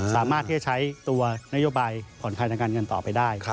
สามารถที่จะใช้ตัวนโยบายผ่อนคลายทางการเงินต่อไปได้